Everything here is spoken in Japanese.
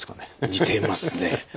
似てますね。